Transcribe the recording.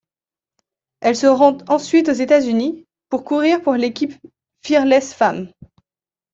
Elle se rend ensuite aux États-Unis pour courir pour l'équipe Fearless Femmes.